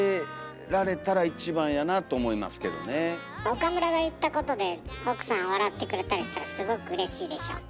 岡村が言ったことで奥さん笑ってくれたりしたらすごくうれしいでしょ？